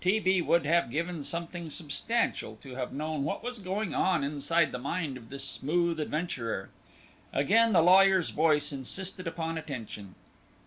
T. B. would have given something substantial to have known what was going on inside the mind of this smooth adventurer. Again the lawyer's voice insisted upon attention.